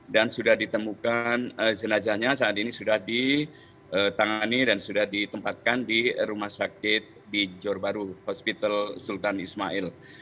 dan sudah ditemukan jenazahnya saat ini sudah ditangani dan sudah ditempatkan di rumah sakit di johor baru hospital sultan ismail